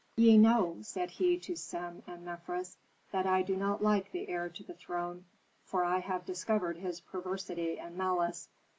"Ye know," said he to Sem and Mefres, "that I do not like the heir to the throne, for I have discovered his perversity and malice.